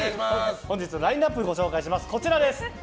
ラインアップご紹介します。